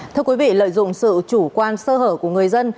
thưa quý vị lợi dụng sự chủ quan sơ hở của người dân